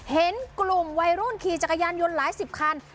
เห็นกลุ่มวัยรุ่นขี่จักรยานยนต์หลายสิบคัน